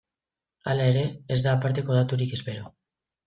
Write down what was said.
Hala ere, ez da aparteko daturik espero.